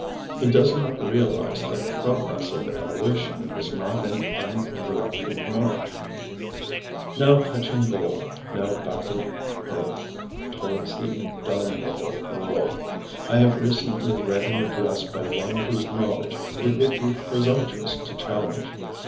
He does not realize that the progress of evolution is not an uninterrupted march. ŌĆ£Now touching goal, now backward hurlŌĆÖd, Toils the indomitable world. ŌĆØ I have recently read an address by one whose knowledge it would be presumptuous to challenge.